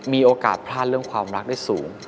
มีโอกาสพลาดเรื่องความรักได้สูง